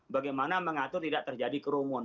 bagaimana mengatur tidak terjadi kerumun